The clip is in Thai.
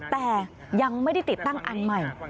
แต่ยังไม่ได้ติดตั้งอันใหม่